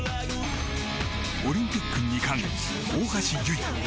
オリンピック２冠大橋悠依